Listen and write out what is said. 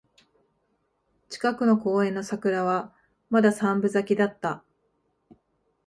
近くの公園の桜はまだ三分咲きだった